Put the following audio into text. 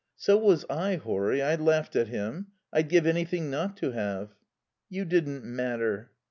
"So was I, Horry. I laughed at him. I'd give anything not to have." "You didn't matter...."